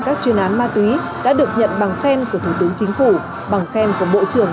các chuyên án ma túy đã được nhận bằng khen của thủ tướng chính phủ bằng khen của bộ trưởng